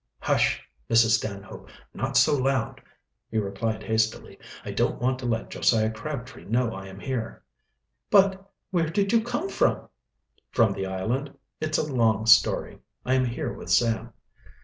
"Hush, Mrs. Stanhope! not so loud," he replied hastily. "I don't want to let Josiah Crabtree know I am here." "But where did you come from?" "From the island. It's a long story. I am here with Sam."